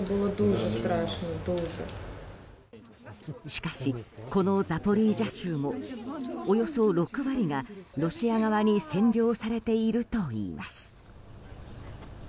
しかし、このザポリージャ州もおよそ６割がロシア側に占領されているといいます。